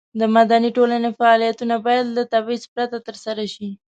د مدني ټولنې فعالیتونه باید له تبعیض پرته ترسره شي.